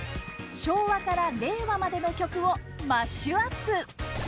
昭和から令和までの曲をマッシュアップ！